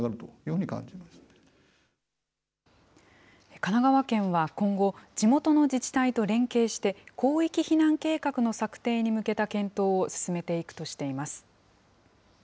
神奈川県は今後、地元の自治体と連携して、広域避難計画の策定に向けた検討を進めていくとしています。